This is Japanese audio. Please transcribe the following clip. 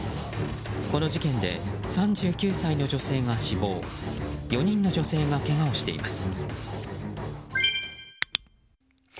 この事件で３９歳の女性が死亡４人の女性がけがをしています。